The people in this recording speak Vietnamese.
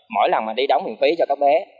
mỗi lần mình đi đóng miễn phí cho các bé